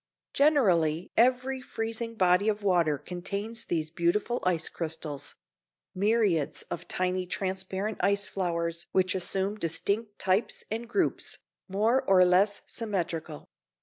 Generally every freezing body of water contains these beautiful ice crystals; myriads of tiny transparent ice flowers which assume distinct types and groups, more or less symmetrical.